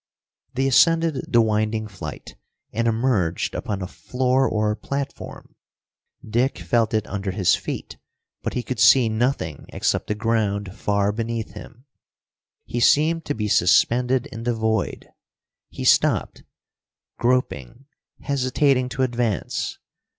They ascended the winding flight and emerged upon a floor or platform. Dick felt it under his feet, but he could see nothing except the ground, far beneath him. He seemed to be suspended in the void. He stopped, groping, hesitating to advance.